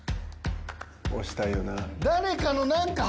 押したいよな。